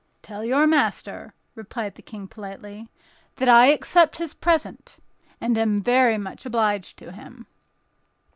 "Tell your master," replied the King, politely, "that I accept his present, and am very much obliged to him."